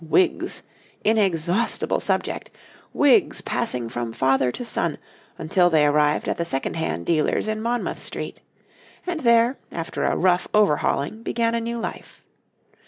Wigs! inexhaustible subject wigs passing from father to son until they arrived at the second hand dealers in Monmouth Street, and there, after a rough overhauling, began a new life.